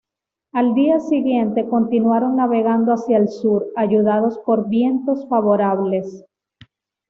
Al día siguiente, continuaron navegando hacia el sur, ayudados por vientos favorables.